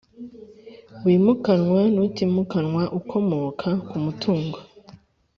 wimukanwa n utimukanwa ukomoka ku mutungo